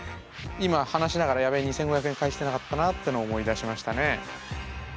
今話しながら「やべぇ２，５００円返してなかったな」ってのを思い出しましたね。